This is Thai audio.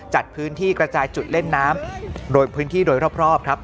จัดพื้นที่กระจายจุดเล่นน้ำโดยพื้นที่โดยรอบครับ